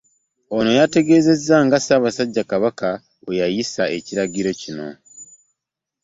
Ono ategeezezza nga Ssaabasajja Kabaka bwe yayisa ekiragiro kino